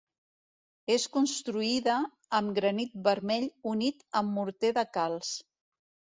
És construïda amb granit vermell unit amb morter de calç.